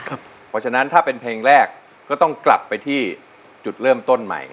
เพราะฉะนั้นถ้าเป็นเพลงแรกก็ต้องกลับไปที่จุดเริ่มต้นใหม่